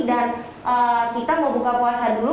dan kita mau buka puasa dulu karena kita sudah tidur